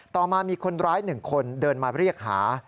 ต่อมามีคนร้าย๑คนเดินมาเรียกหา